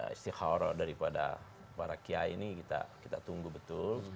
istiqoroh daripada para kiai ini kita tunggu betul